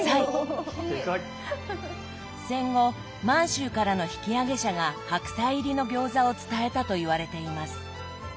戦後満州からの引き揚げ者が白菜入りの餃子を伝えたといわれています。